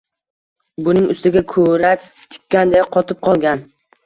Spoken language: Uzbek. Buning ustiga ko‘rak tikandek qotib qolgan.